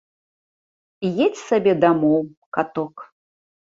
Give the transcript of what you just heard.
Едзь сабе дамоў, каток.